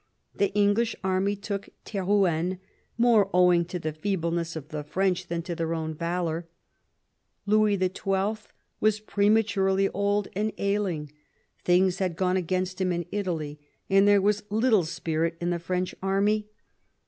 The English army took TOTojienne, more owing to the feeble ness of the French than to their own valour. Louis XII. was prematurely old and ailing ; things had gone against him in Italy, and there was little spirit in the French army.